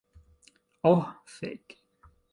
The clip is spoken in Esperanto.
Oh fek'